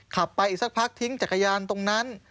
ขับไปอีกสักพักทิ้งจักรยานตรงนั้น